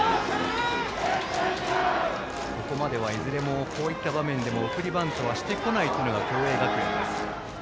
ここまではいずれもこういった場面でも送りバントはしてこないのが共栄学園。